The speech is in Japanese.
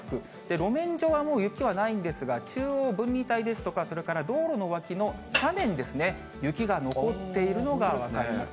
路面上はもう雪はないんですが、中央分離帯ですとか、それから道路の脇の斜面ですね、雪が残っているのが分かります。